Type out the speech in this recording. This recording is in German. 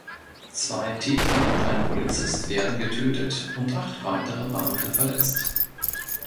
Zwei Täter und ein Polizist werden getötet und acht weitere Beamte verletzt.